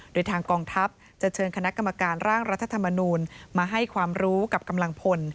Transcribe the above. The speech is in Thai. โดยทางกองทัพจะเชิญคณะกรรมการร่างรัฐธรรมนูลมาให้ความรู้กับกำลังพล